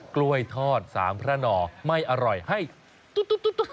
กล้วยทอดสามพระหน่อไม่อร่อยให้ตุ๊ด